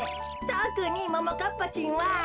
とくにももかっぱちんは。